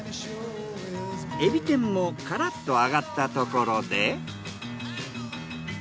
エビ天もカラッと揚がったところで。